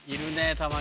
たまに。